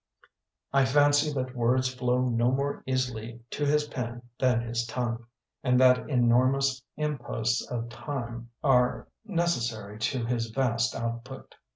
I fancy that words flow no more easily to his pen than his tongue, and that enormous imposts of time are neces sary to his vast output.